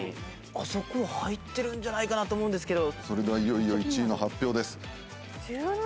あそこ入ってるんじゃないかなと思うんですけど。